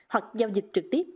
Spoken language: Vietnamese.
hoặc giao dịch trực tiếp